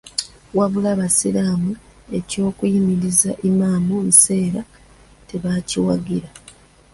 Wabula Abasiraamu eky'okuyimiriza Imam Nseera tebakiwagira.